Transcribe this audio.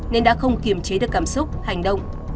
nên đã không kiềm chế được cảm xúc hành động